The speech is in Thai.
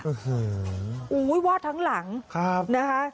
โอ้โหวาดทั้งหลังนะคะ